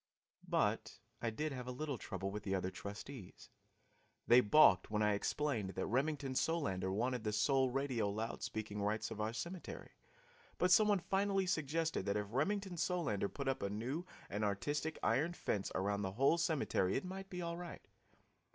But I did have a little trouble with the other trustees. They balked when I explained that Remington Solander wanted the sole radio loud speaking rights of our cemetery, but some one finally suggested that if Remington Solander put up a new and artistic iron fence around the whole cemetery it might be all right.